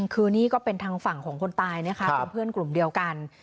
คือนี่ก็เป็นทางฝั่งของคนตายนะคะเป็นเพื่อนกลุ่มเดียวกัน